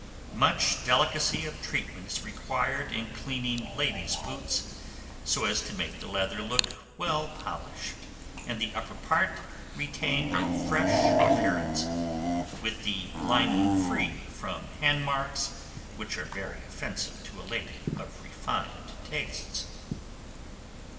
Much delicacy of treatment is required in cleaning ladies' boots, so as to make the leather look well polished, and the upper part retain a fresh appearance, with the lining free from hand marks, which are very offensive to a lady of refined tastes.